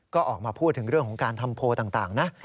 ก็ออกมาพูดถึงเรื่องของการทำโพลต่างนะ